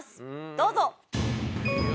どうぞ！